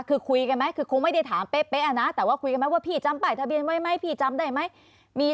คือคุยกันไหมคือคงไม่ได้ถามเป๊ะนะแต่ว่าคุยกันไหมว่าพี่จำป้ายทะเบียนไว้ไหมพี่จำได้ไหม